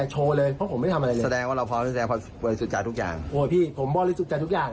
โห้ยพี่ผมบริสุจัยทุกอย่าง